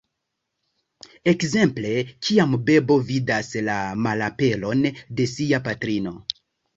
Ekzemple kiam bebo vidas la malaperon de sia patrino.